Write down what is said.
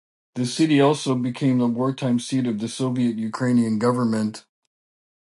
The city also became the wartime seat of the Soviet Ukrainian government.